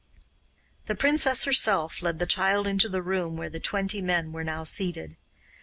The princess herself led the child into the room where the twenty men were now seated.